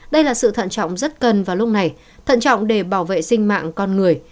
đây là sự thận trọng rất cần vào lúc này thận trọng để bảo vệ sinh mạng con người